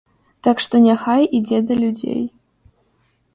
Так што няхай ідзе да людзей.